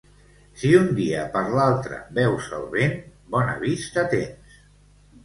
Si un dia per l'altre veus el vent, bona vista tens.